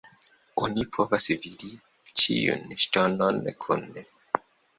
Oni povas vidi ĉiun ŝtonon kune.